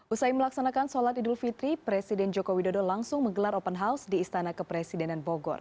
usai melaksanakan sholat idul fitri presiden joko widodo langsung menggelar open house di istana kepresidenan bogor